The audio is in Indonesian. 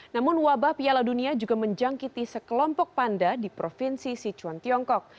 namun wabah piala dunia juga menjangkiti sekelompok panda di provinsi sichuan tiongkok